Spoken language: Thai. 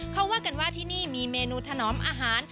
เขาว่ากันว่าที่นี่มีเมนูถนอมอาหาร